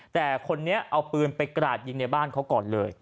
แต่คนนี้เอาปืนไปกราดยิงในบ้านเขาก่อนเลย